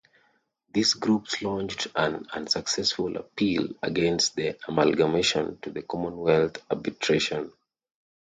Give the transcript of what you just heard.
These groups launched an unsuccessful appeal against the amalgamation to the Commonwealth Arbitration Court.